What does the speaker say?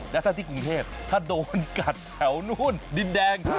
แล้วถ้าที่กรุงเทพถ้าโดนกัดแถวนู่นดินแดง